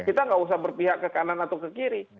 kita nggak usah berpihak ke kanan atau ke kiri